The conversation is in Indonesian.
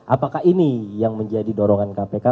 apakah ini yang menjadi dorongan kpk